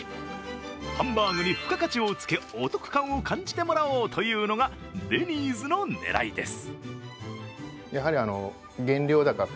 ハンバーグに付加価値をつけ、お得感を感じてもらおうというのがデニーズの狙いです。